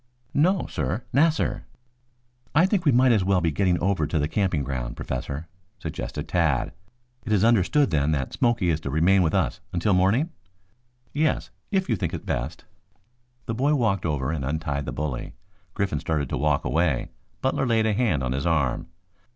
"No, sir, 'nassir.'" "I think we might as well be getting over to the camping ground, Professor," suggested Tad. "It is understood, then, that Smoky is to remain with us until morning?" "Yes, if you think best." The boy walked over and untied the bully. Griffin started to walk away. Butler laid a hand on his arm.